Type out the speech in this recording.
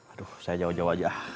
aduh saya jauh jauh aja